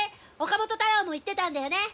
岡本太郎も言ってたんだよね！